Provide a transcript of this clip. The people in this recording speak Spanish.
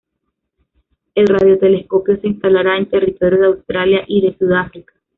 El radiotelescopio se instalará en territorio de Australia y de Sudáfrica.